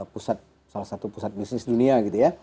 pusat salah satu pusat bisnis dunia gitu ya